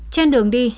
trên đường đi